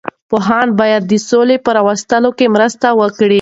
پوهان باید د سولې په راوستلو کې مرسته وکړي.